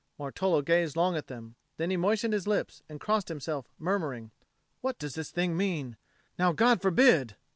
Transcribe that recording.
Martolo gazed long at them; then he moistened his lips and crossed himself, murmuring, "What does this thing mean? Now God forbid